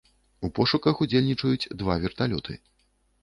У пошуках удзельнічаюць два верталёты.